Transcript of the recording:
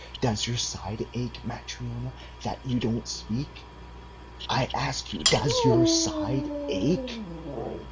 Does your side ache, Matryona, that you don't speak? I ask you, does your side ache?"